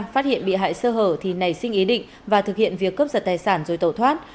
phát hiện bị hại sơ hở thì nảy sinh ý định và thực hiện việc cướp giật tài sản rồi tẩu thoát